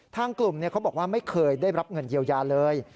ทางกลุ่มเขาบอกว่าไม่เคยได้รับเงินเยียวยาเลย